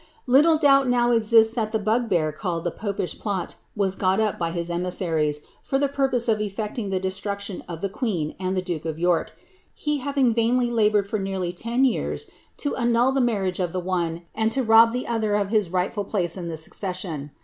Little doubt now exists that the bogbctf j called the pojtish plot was got up by his emissaries,^ for the purpose of \ effecting the destruction of the queen and tlie duke of York, he haviDg i vainly laboured for nearly ten years to annul the marriage of the one ind to rob the other of his rightful place in the succession.